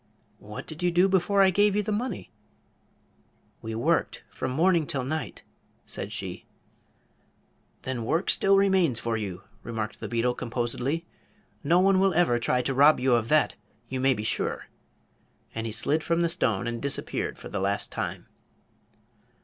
"What did you do before I gave you the money?" "We worked from morning 'til night," said she. "Then work still remains for you," remarked the beetle, composedly; "no one will ever try to rob you of that, you may be sure!" And he slid from the stone and disappeared for the last time.